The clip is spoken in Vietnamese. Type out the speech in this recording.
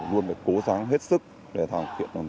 luôn cố gắng hết sức để thực hiện tốt nhiệm vụ hằng ngày của mình